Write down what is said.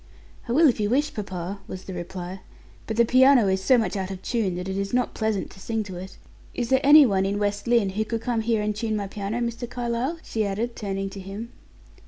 "I will if you wish, papa," was the reply, "but the piano is so much out of tune that it is not pleasant to sing to it. Is there any one in West Lynne who could come here and tune my piano, Mr. Carlyle?" she added, turning to him.